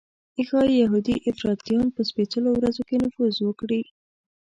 ښایي یهودي افراطیان په سپېڅلو ورځو کې نفوذ وکړي.